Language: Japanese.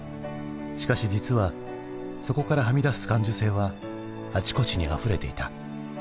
しかし実はそこからはみ出す感受性はあちこちにあふれていた。